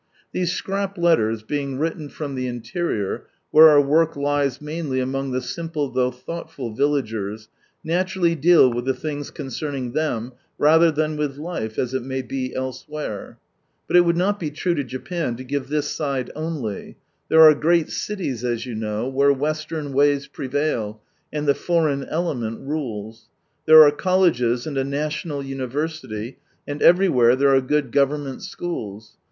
These scrap letters, being written from ihe interior, whei« our work lies mainly among ihe simple though thoughtful villagers, naturally deal with the things concern ing them, rather than with life as it may be elsewhere. Btit it would not be true lo Japan to give this side only, there are great cities, as you know, where Western ways prevail, and ihe foreign element rules ; there are colleges and a national university, and everywhere there are good Government schools.